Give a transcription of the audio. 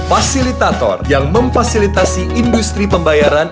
fasilitator yang memfasilitasi industri pembayaran